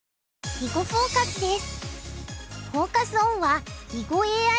「囲碁フォーカス」です。